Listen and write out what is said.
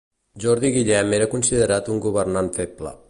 Jordi Guillem era considerat un governant feble.